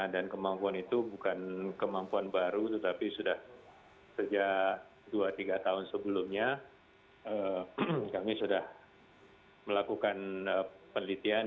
dan kemampuan itu bukan kemampuan baru tetapi sudah sejak dua tiga tahun sebelumnya kami sudah melakukan penelitian